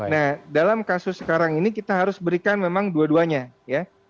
nah dalam kasus sekarang ini kita harus berikan memang dua duanya ya